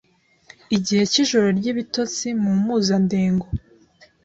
igihe cy’ijoro ry’ibitotsi mu mpuzandengo,